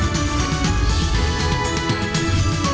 terima kasih pak suko